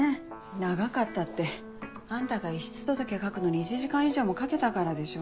「長かった」ってあんたが遺失届書くのに１時間以上もかけたからでしょ。